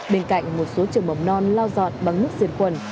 bên cạnh một số trường mầm non lau dọn bằng nước diệt khuẩn